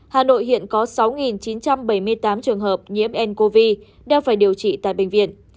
hà nội hiện có sáu chín trăm bảy mươi tám trường hợp nhiễm ncov đang phải điều trị tại bệnh viện